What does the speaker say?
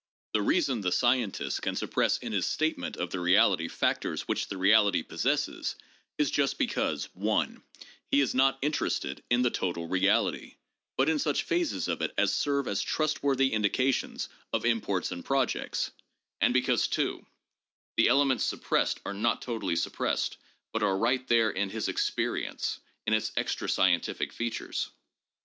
The reason the scientist can suppress in his statement of the reality factors which the reality possesses, is just because (1) he is not interested in the total reality, but in such phases of it as serve as trustworthy indications of imports and projects, and because (2) the elements suppressed are not totally suppressed, but are right there in his experience: in its extra scientific features.